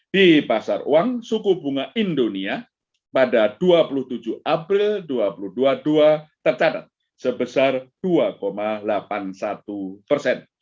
di pasar uang suku bunga indonesia pada dua puluh tujuh april dua ribu dua puluh dua tercatat sebesar dua delapan puluh satu persen